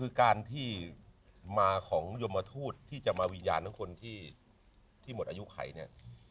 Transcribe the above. คือการที่มาของยมทูตที่จะมาวิญญาณทั้งคนที่หมดอายุไขเนี่ย